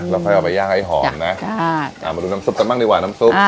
เราไปเอาไปย่างให้หอมนะจ้ะจ้ะอ่ามาดูน้ำซุปกันบ้างดีกว่าน้ำซุป